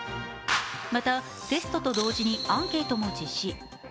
またテストと同時にアンケートも実施。